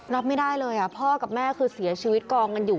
รับไม่ได้เลยพ่อกับแม่คือเสียชีวิตกองกันอยู่